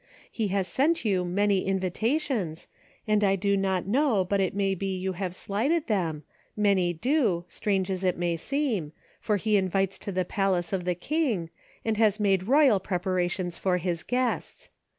He has sent you many invitations, and I do not know but it may be you have slighted them, many do, strange as it may seem, for He invites to the palace of the King, and has made royal preparations for his guests.